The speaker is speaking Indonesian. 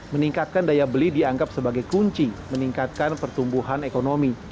meningkatkan daya beli dianggap sebagai kunci meningkatkan pertumbuhan ekonomi